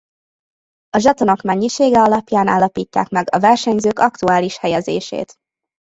A zsetonok mennyisége alapján állapítják meg a versenyzők aktuális helyezését.